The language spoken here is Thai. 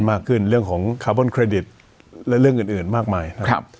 ในมากขึ้นเรื่องของคาร์บนเครดิตและเรื่องอื่นมากมายนะครับ